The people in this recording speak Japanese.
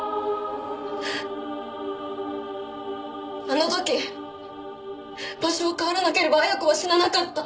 あの時場所を変わらなければ恵子は死ななかった。